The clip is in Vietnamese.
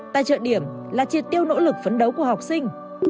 tài trợ điểm là triệt tiêu nỗ lực phấn đấu của học sinh